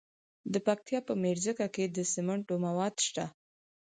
د پکتیا په میرزکه کې د سمنټو مواد شته.